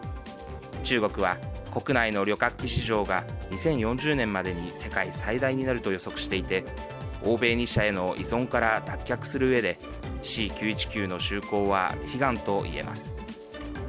中国は、国内の旅客機市場が２０４０年までに世界最大になると予測していて欧米２社への依存から脱却するうえでＣ９１９の就航は悲願と言えます。